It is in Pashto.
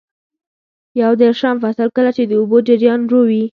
یو دېرشم فصل: کله چې د اوبو جریان ورو وي.